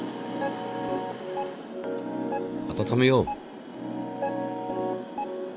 温めよう。